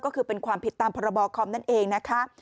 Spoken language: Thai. ก็คือเป็นความผิดตามพรบคอมนั่นเองนะคะ